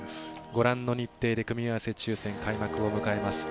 ご覧の日程で組み合わせ抽選、開幕を迎えます。